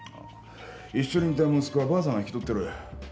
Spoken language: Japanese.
一緒にいた息子はばあさんが引き取ってる。